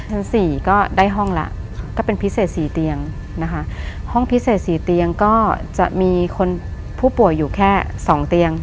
สี่ก็ได้ห้องแล้วก็เป็นพิเศษสี่เตียงนะคะห้องพิเศษสี่เตียงก็จะมีคนผู้ป่วยอยู่แค่สองเตียง